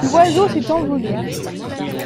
L’oiseau s’est envolé.